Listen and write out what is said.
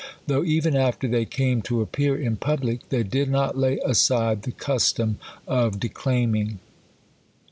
Though even after they came to appear in public, they did not lay aside the custom of declaiming.